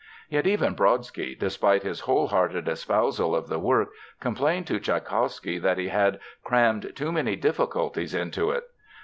Yet, even Brodsky, despite his wholehearted espousal of the work, complained to Tschaikowsky that he had "crammed too many difficulties into it."